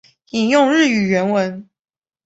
引用日语原文